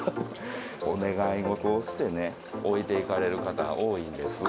お願い事をして置いていかれる方が多いんです。